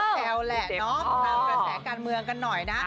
แซวแหละเนาะตามกระแสการเมืองกันหน่อยนะ